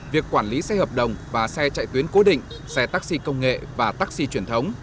việc quản lý xe hợp đồng và xe chạy tuyến cố định xe taxi công nghệ và taxi truyền thống